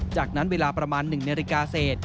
จากนั้นเวลาประมาณ๑นาฬิกาเศษ